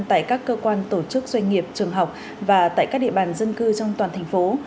tại các cơ quan tổ chức doanh nghiệp trường học và tại các địa bàn dân cư trong toàn thành phố